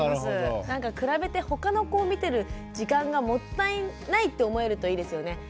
なんか比べてほかの子を見てる時間がもったいないと思えるといいですよね。